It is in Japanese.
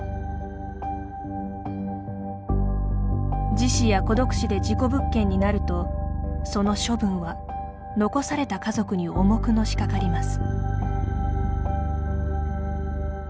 自死や孤独死で事故物件になるとその処分は残された家族に重くのしかかります。